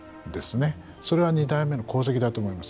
それは二代目の功績だと思います。